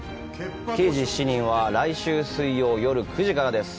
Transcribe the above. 「刑事７人」は来週水曜、夜９時からです！